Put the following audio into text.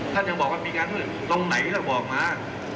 ท่านยังบอกว่ามีการพูดตรงไหนแล้วบอกมา